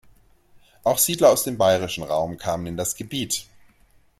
Auch Siedler aus dem bairischen Raum kamen in das Gebiet.